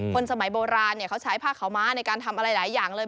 คนสมัยโบราณเขาใช้ผ้าขาวม้าในการทำอะไรหลายอย่างเลย